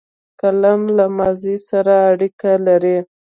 قلم له ماضي سره اړیکه لري